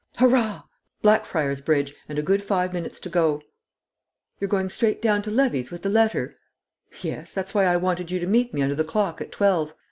Hurrah! Blackfriar's Bridge and a good five minutes to go!" "You're going straight down to Levy's with the letter?" "Yes; that's why I wanted you to meet me under the clock at twelve."